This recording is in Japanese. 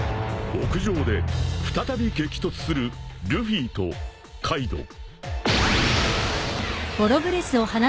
［屋上で再び激突するルフィとカイドウ］